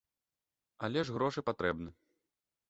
Але ж грошы патрэбны.